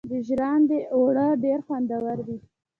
د ژرندې اوړه ډیر خوندور وي.